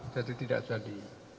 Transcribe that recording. jadi tidak jadi